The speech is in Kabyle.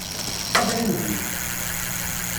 Ḥader a Mhenni!